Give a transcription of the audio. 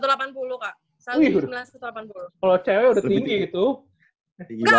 kalau cewek udah tinggi itu